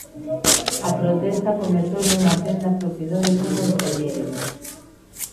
A protesta comezou nunha tenda propiedade dun concelleiro.